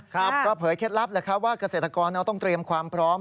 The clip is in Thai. ก็เผยเคล็ดลับว่าเกษตรกรต้องเตรียมความพร้อม